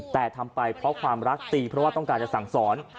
แต่ทำไปเพราะความรักตีเพราะว่าต้องการจะสั่งสอน